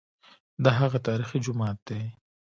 دا هغه تاریخي جومات دی.